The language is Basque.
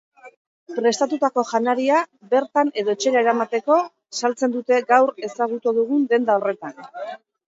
Prestatutako janaria bertan edo etxera eramateko saltzen dute gaur ezagutu dugun denda honetan.